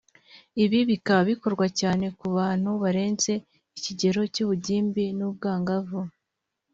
ibi bikaba bikorwa cyane ku bantu barenze ikigero cy’ubugimbi n’ubwangavu